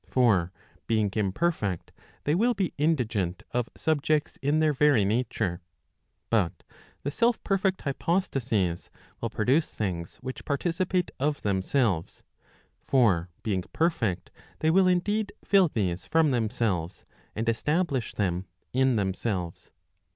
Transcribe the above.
For being imperfect, they will be indigent of subjects in their very nature. But the self perfect hypostases will pro¬ duce things which participate of themselves. For being perfect, they will indeed fill these from themselves, and establish them in themselves.